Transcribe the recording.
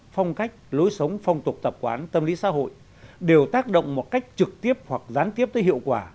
phong cách lối sống phong tục tập quán tâm lý xã hội đều tác động một cách trực tiếp hoặc gián tiếp tới hiệu quả